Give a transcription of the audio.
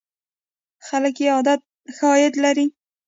خلک یې ښه عاید لري.